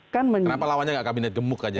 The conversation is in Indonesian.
kenapa lawannya gak kabinet gemuk aja